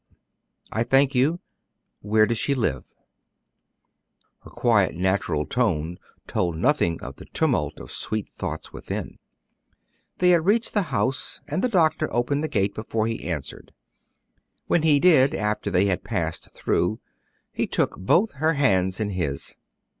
"I thank you. Where does she live?" Her quiet, natural tone told nothing of the tumult of sweet thoughts within. They had reached the house, and the doctor opened the gate before he answered. When he did, after they had passed through, he took both her hands in his.